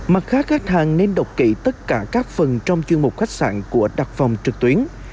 mặt khác khách hàng nên đọc kỹ tất cả các phần trong chuyên mục khách sạn của đặt phòng trực tuyến